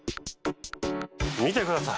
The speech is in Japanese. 見てください。